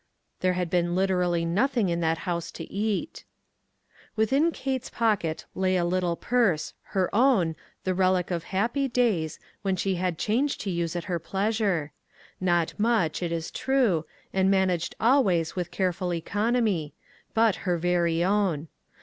There had been literally nothing in that house to eat. Within Kate's pocket lay a little purse — her own, the relic of happy days, when she had change to use at her pleasure. Not much, it is true, and managed always with careful economy. But her very own.